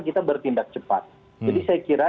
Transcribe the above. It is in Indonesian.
kita bertindak cepat jadi saya kira